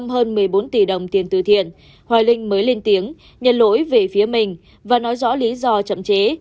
hoài linh mới lên tiếng nhận lỗi về phía mình và nói rõ lý do chậm chế